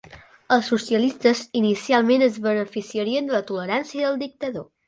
Els socialistes inicialment es beneficiaren de la tolerància del dictador.